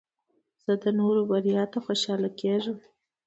زه د نورو بریا ته خوشحاله کېږم.